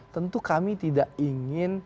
tentu kami tidak ingin